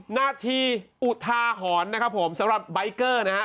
หน้าที่อุทาหอนนะครับผมสำหรับบ๊ายเกอร์นะฮะ